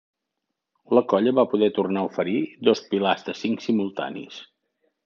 La colla va poder tornar a oferir dos pilars de cinc simultanis.